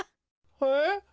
えっ？